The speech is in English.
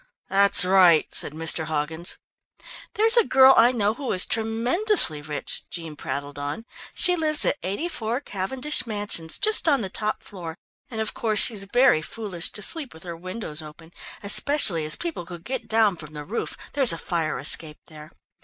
"That's right," said Mr. Hoggins. "There's a girl I know who is tremendously rich," Jean prattled on. "She lives at 84, Cavendish Mansions, just on the top floor, and, of course, she's very foolish to sleep with her windows open, especially as people could get down from the roof there is a fire escape there.